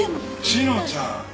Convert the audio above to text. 志乃ちゃん